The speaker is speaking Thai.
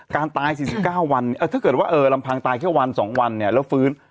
การตาย๔๙วันถ้าเกิดว่าลำพังตายแค่วัน๒วันเนี่ยแล้วฟื้น